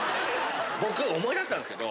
僕思い出したんですけど。